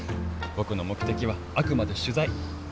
僕の目的はあくまで取材。